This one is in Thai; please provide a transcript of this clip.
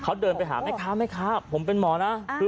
เขาเดินไปหาแม่ค้าแม่ค้าผมเป็นหมอนะ